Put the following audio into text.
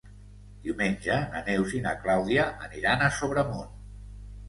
Diumenge na Neus i na Clàudia aniran a Sobremunt.